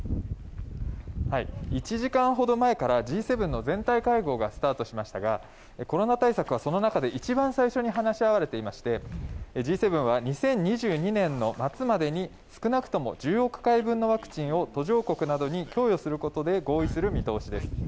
１時間ほど前からＧ７の全体会合がスタートしましたがコロナ対策はその中で一番最初に話し合われていましてＧ７は２０２２年の末までに少なくとも１０億回分のワクチンを途上国などに供与することで合意する見通しです。